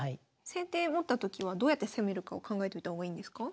先手持ったときはどうやって攻めるかを考えといた方がいいんですか？